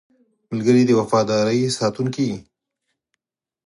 ملګری د وفادارۍ ساتونکی وي